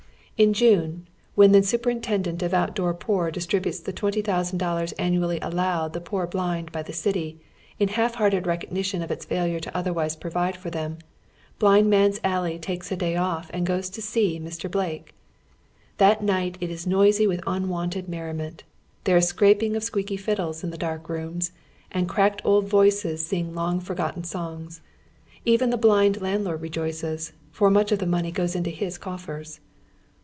In June, when the Superintendent of Out door Poor distributes the twenty thousand dollars annually allowed the poor blind by the city, in half iiearted recognition of its failure to otherwise provide for them, Blindman's Alley takes a day off and goes to " see " Mr. Blake. That night it is noisy with un wonted merriment. Tliere is scraping of squeaky fiddles in tiie dark rooms, and cracked old voices sing long for gotten songs. Even the blind landlord rejoices, for much of the money goes into his coffers.